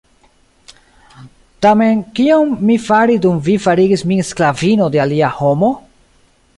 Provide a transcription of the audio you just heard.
Tamen kion mi fari dum vi farigis min sklavino de alia homo?